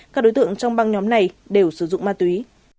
các đối tượng trong băng nhóm này đều sử dụng ma túy